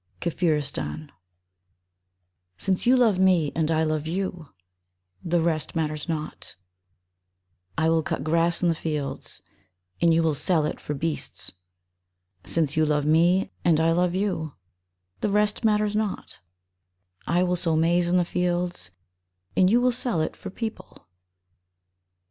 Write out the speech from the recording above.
SINCE you love me and I love you The rest matters not ; I will cut grass in the fields And you will sell it for beasts. Since you love me and I love you The rest matters not ; I will sow maize in the fields And you will sell it for people.